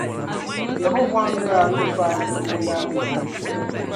Rɛhɔbɔam ni daa ti faai siɣ’ o yaannim’ sani.